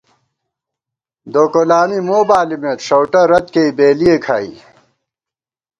دوکولامی مو بالِمېت ݭؤٹہ رتکېئی بېلِئےکھائی